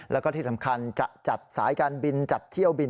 แล้วก็ที่สำคัญจะจัดสายการบินจัดเที่ยวบิน